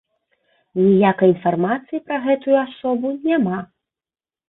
Ніякай інфармацыі пра гэтую асобу няма.